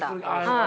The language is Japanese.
はい。